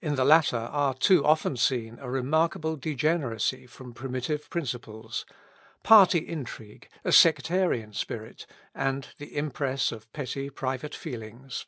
In the latter are too often seen a remarkable degeneracy from primitive principles, party intrigue, a sectarian spirit, and the impress of petty private feelings.